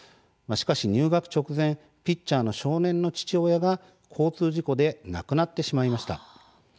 しかし、入学直前ピッチャーの少年の父親が、交通事故で亡くなってしまいました。